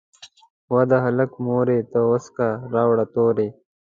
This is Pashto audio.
"وه د هلک مورې ته وڅکي راوړه توري".